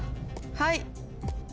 はい。